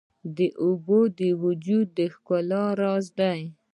اوبه د وجود د ښکلا راز دي.